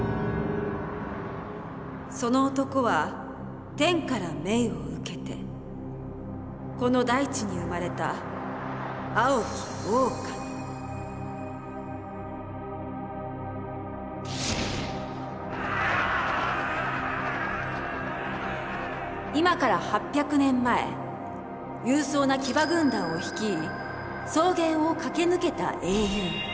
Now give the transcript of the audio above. その男は天から命を受けてこの大地に生まれた今から８００年前勇壮な騎馬軍団を率い草原を駆け抜けた英雄。